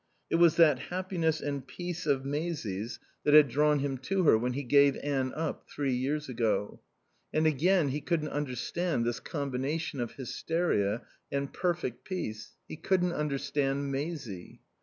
It was that happiness and peace of Maisie's that had drawn him to her when he gave Anne up three years ago. And again he couldn't understand this combination of hysteria and perfect peace. He couldn't understand Maisie.